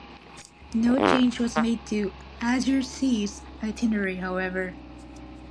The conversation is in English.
No change was made to "Azure Seas"' itinerary, however.